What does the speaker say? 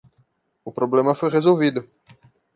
O problema foi resolvido.